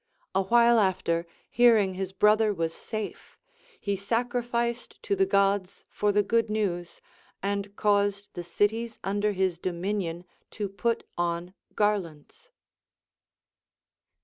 A while after, hearing his brother was safe, he sacrificed to the Gods for the good news, and caused the cities under his dominion to put on garlands.